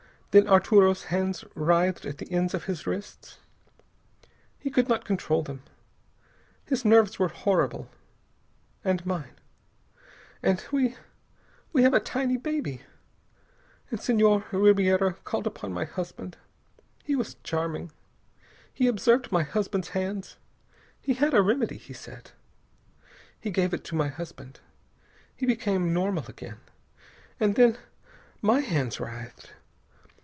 Then Arturo's hands writhed at the ends of his wrists. He could not control them. His nerves were horrible. And mine. And we we have a tiny baby.... And Senhor Ribiera called upon my husband. He was charming. He observed my husband's hands. He had a remedy, he said. He gave it to my husband. He became normal again. And then my hands writhed.